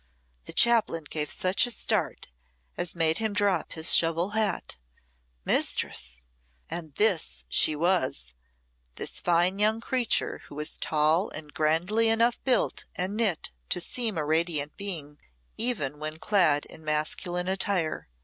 The chaplain gave such a start as made him drop his shovel hat. "Mistress!" And this was she this fine young creature who was tall and grandly enough built and knit to seem a radiant being even when clad in masculine attire.